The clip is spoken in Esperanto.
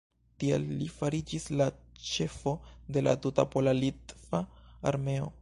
Tiel li fariĝis la ĉefo de la tuta pola-litva armeo.